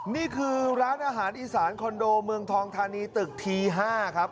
นี่คือร้านอาหารอีสานคอนโดเมืองทองธานีตึกที๕ครับ